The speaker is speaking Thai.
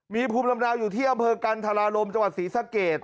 มีภูมิลำเนาอยู่ที่อำเภอกันธรารมจังหวัดศรีสะเกด